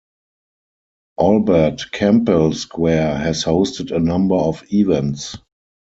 Albert Campbell Square has hosted a number of events.